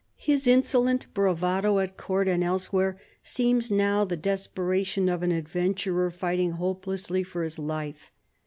His insolent bravado at Court and elsewhere seems now the desperation of an adventurer fighting hopelessly for his life.